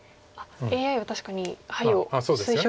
ＡＩは確かにハイを推奨してますね。